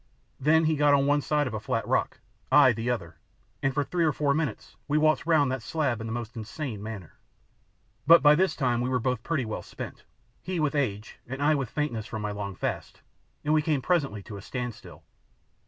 Then he got on one side of a flat rock, I the other, and for three or four minutes we waltzed round that slab in the most insane manner. But by this time we were both pretty well spent he with age and I with faintness from my long fast, and we came presently to a standstill.